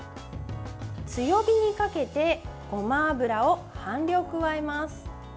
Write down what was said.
強火にかけてごま油を半量加えます。